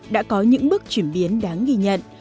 đã có những bước chuyển biến đáng ghi nhận